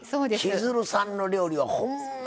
千鶴さんの料理はほんま